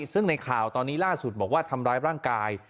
ซึ่งในข่าวตอนนี้ล่าสุดบอกว่าทำร้ายร่างกาย